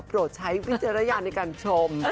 โปรดใช้วิจารณ์ในการชม